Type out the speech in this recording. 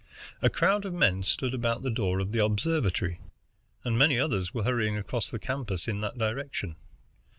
A crowd of men stood about the door of the observatory, and many others were hurrying across the campus in that direction.